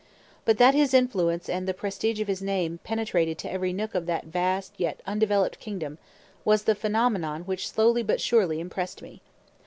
But that his influence and the prestige of his name penetrated to every nook of that vast yet undeveloped kingdom was the phenomenon which slowly but surely impressed me.